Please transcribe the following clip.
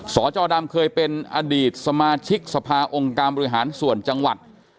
จดดำเคยเป็นอดีตสมาชิกสภาองค์การบริหารส่วนจังหวัด